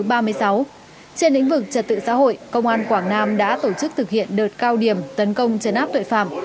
trên lĩnh vực trật tự xã hội công an quảng nam đã tổ chức thực hiện đợt cao điểm tấn công chấn áp tội phạm